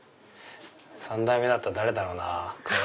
「三代目」だったら誰だろうな。